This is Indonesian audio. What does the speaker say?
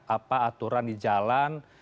apa aturan di jalan